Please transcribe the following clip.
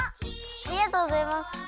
ありがとうございます。